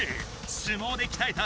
相撲できたえた